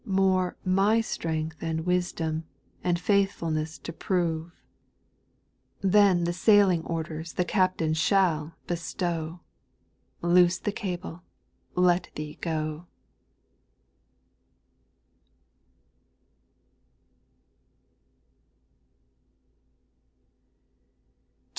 More My strength and wisdom and faithful ness to prove \ 880 SPIRITUAL SONGS. Then the sailing orders the Captain shaU bestow, — Loose the cable, let thee go.